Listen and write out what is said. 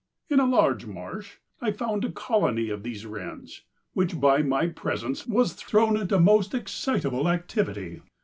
"In a large marsh I found a colony of these wrens, which by my presence was thrown into most excitable activity.